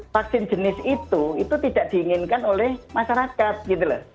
vaksin jenis itu itu tidak diinginkan oleh masyarakat gitu loh